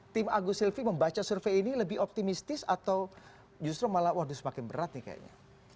tim agus silvi membaca survei ini lebih optimistis atau justru malah semakin berat nih kayaknya